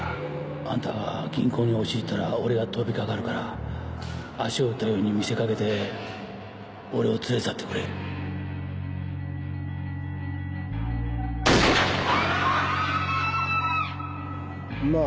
あんたが銀行に押し入ったら俺が飛びかか足を撃ったように見せかけて俺を連れ去ってくれまあ